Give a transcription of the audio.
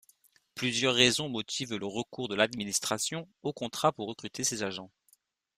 Plusieurs raisons motivent le recours de l’administration au contrat pour recruter ses agents.